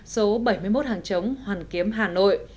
số bảy mươi một hàng chống hoàn kiếm hà nội